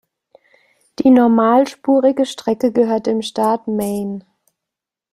Die normalspurige Strecke gehört dem Staat Maine.